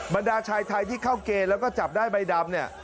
บรรดาชายไทยที่เข้าเกรแล้วก็จับได้ใบดำ